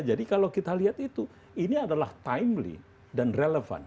jadi kalau kita lihat itu ini adalah timely dan relevan